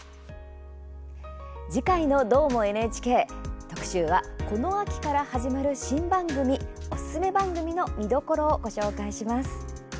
次回の特集はこの秋から始まる新番組おすすめの番組の見どころをご紹介します。